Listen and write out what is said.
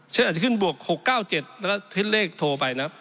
อาจจะขึ้นบวก๖๙๗แล้วก็ให้เลขโทรไปนะครับ